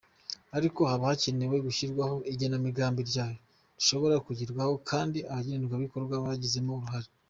Ariko haba hakenewe gushyirwaho igenamigambi nyaryo, rishoboka kugerwaho kandi abagenerwabikorwa bagizemo uruhare.